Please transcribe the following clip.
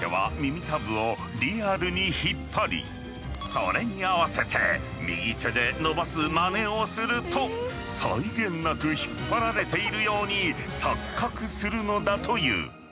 それに合わせて右手で伸ばすマネをすると際限なく引っ張られているように錯覚するのだという。